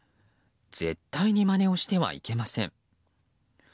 絶対にまねをしてはいけません。